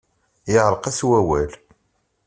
Yeɛreq-as wawal.